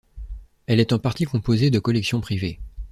Elle est en partie composée de collections privées.